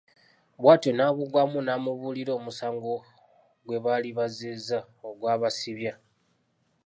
Bw’atyo Nabugwamu n’amubuulira omusango gwe baali bazzizza ogwabasibya.